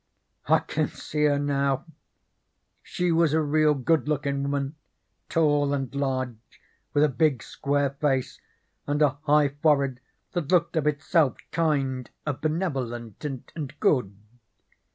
I can see her now. She was a real good lookin' woman, tall and large, with a big, square face and a high forehead that looked of itself kind of benevolent and good.